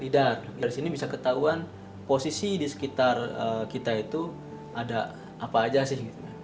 tidak dari sini bisa ketahuan posisi di sekitar kita itu ada apa aja sih